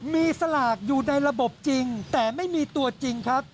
มีสลากอยู่ในระบบจริงแต่ไม่มีตัวจริงครับ